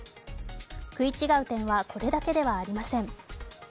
食い違う点はこれだけではありません。